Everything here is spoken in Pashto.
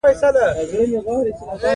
بيزو له ونو ټوپ وهي.